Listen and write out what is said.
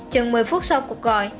chừng một mươi phút sau cuộc gọi